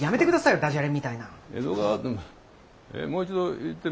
もう一度言ってみて。